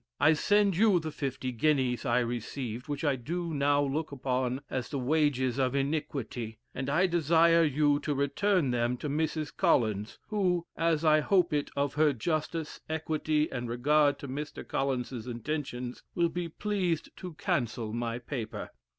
I send you the fifty guineas I received, which I do now look upon as the wages of iniquity, and I desire you to return them to Mrs. Collins, who, as I hope it of her justice, equity, and regard to Mr. Collinses intentions, will be pleased to cancel my paper."